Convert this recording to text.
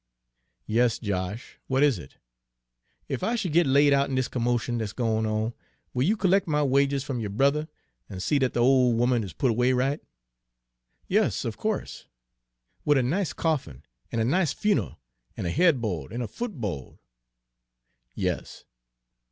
"Yes, Josh; what is it?" "Ef I should git laid out in dis commotion dat's gwine on, will you collec' my wages f'm yo' brother, and see dat de ole 'oman is put away right?" "Yes, of course." "Wid a nice coffin, an' a nice fune'al, an' a head bo'd an' a foot bo'd?" "Yes."